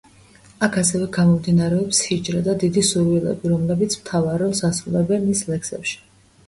აქ ასევე გამომდინარეობს ჰიჯრა და დიდი სურვილები, რომლებიც მთავარ როლს ასრულებენ მის ლექსებში.